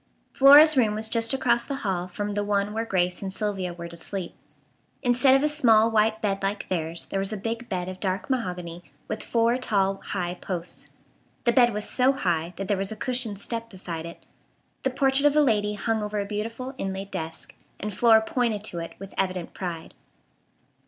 Flora's room was just across the hall from the one where Grace and Sylvia were to sleep. Instead of a small white bed like theirs there was a big bed of dark mahogany with four tall, high posts. The bed was so high that there was a cushioned step beside it. The portrait of a lady hung over a beautiful inlaid desk, and Flora pointed to it with evident pride.